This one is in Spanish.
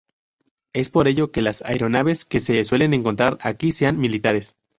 Es por ello que las aeronaves que se suelen encontrar aquí sean militares.